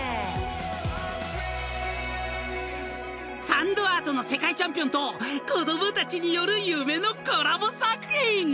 ［サンドアートの世界チャンピオンと子供たちによる夢のコラボ作品！］